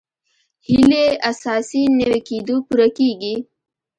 هیلې اساسي نوي کېدو پوره کېږي.